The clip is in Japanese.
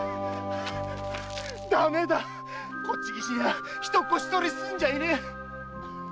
〔ダメだこっち岸には人っ子一人住んじゃいねえ！〕